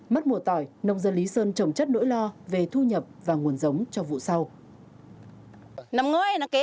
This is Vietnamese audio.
mất mùa tỏi nông dân lý sơn trồng chất nỗi lo về thu nhập và nguồn giống cho vụ sau